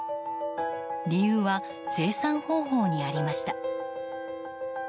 理由は生産方法にありました。